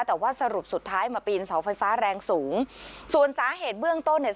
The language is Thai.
แต่ว่าสรุปสุดท้ายมาปีนเสาไฟฟ้าแรงสูงส่วนสาเหตุเบื้องต้นเนี่ย